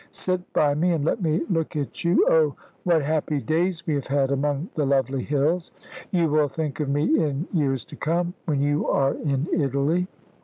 Sit by me, and let me look at you. Oh, what happy days we have had among the lovely hills. You will think of me in years to come, when you are in Italy."